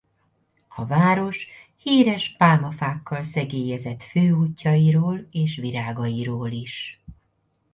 A város híres pálmafákkal szegélyezett főútjairól és virágairól is.